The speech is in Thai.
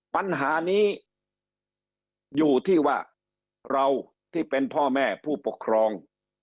ปัญหานี้อยู่ที่ว่าเราที่เป็นพ่อแม่ผู้ปกครอง